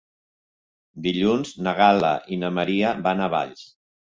Dilluns na Gal·la i na Maria van a Valls.